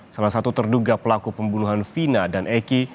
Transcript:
salah satu terduga pelaku pembunuhan vina dan eki